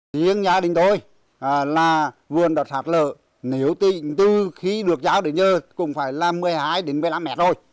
tiếng gia đình tôi là vườn đọt sạt lờ nếu tình tư khi được giáo để nhơ cũng phải là một mươi hai một mươi năm m thôi